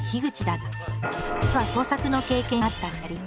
実は共作の経験があった２人。